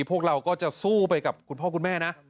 พวกเราก็จะสู้ไปกับคุณพ่อคุณแม่นะ